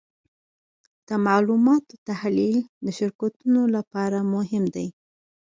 د معلوماتو تحلیل د شرکتونو لپاره مهم دی.